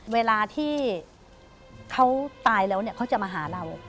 เวลาที่เขาตายแล้วเขาจะมาหาเรา